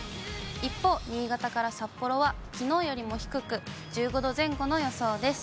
一方、新潟から札幌はきのうよりも低く、１５度前後の予想です。